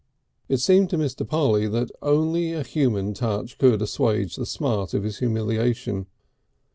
It seemed to Mr. Polly that only a human touch could assuage the smart of his humiliation.